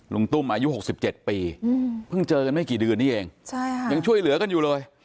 ตุ้มอายุ๖๗ปีเพิ่งเจอกันไม่กี่เดือนนี้เองยังช่วยเหลือกันอยู่เลย